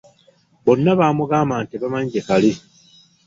Bonna bamugamba nti tebamanyi gye kali.